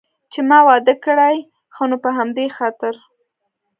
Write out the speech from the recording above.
چې ما واده کړی، ښه نو په همدې خاطر.